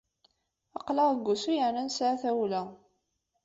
Aql-aɣ deg wusu yerna nesɛa tawla.